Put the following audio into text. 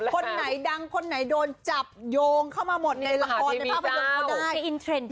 คนไหนดังคนไหนโดนจับโยงเข้ามาหมดในละครในภาพยนตร์เขาได้